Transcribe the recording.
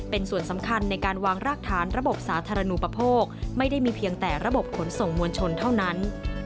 เป็นส่วนสำคัญในการวางรากฐานระบบสาธารณูปโภคไม่ได้มีเพียงแต่ระบบขนส่งมวลชนเท่านั้น